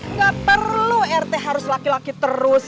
nggak perlu rt harus laki laki terus